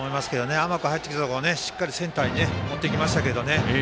甘く入ってきたところをしっかりセンターに持っていきました。